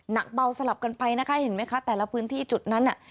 หนักเบาสลับกันไปนะคะเห็นไหมคะแต่ละพื้นที่จุดนั้นน่ะ